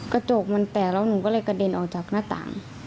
กระจกมันแตกแล้วหนูก็เลยกระเด็นออกจากหน้าต่าง